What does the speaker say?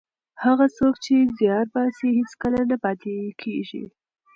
هغه څوک چې زیار باسي هېڅکله نه پاتې کېږي.